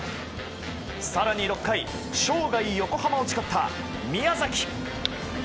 更に６回、生涯横浜を誓った宮崎。